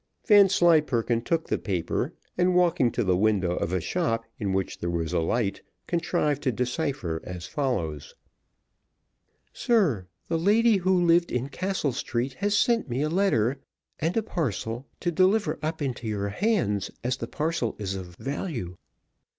Vanslyperken took the paper, and walking to the window of a shop in which there was a light, contrived to decipher as follows: "SIR, "The lady who lived in Castle Street has sent me a letter, and a parcel, to deliver up into your own hands, as the parcel is of value.